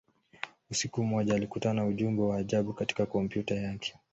Usiku mmoja, alikutana ujumbe wa ajabu katika kompyuta yake.